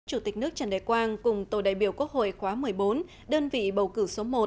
chủ tịch nước trần đại quang cùng tổ đại biểu quốc hội khóa một mươi bốn đơn vị bầu cử số một